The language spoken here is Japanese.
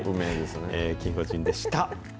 キンゴジンでした。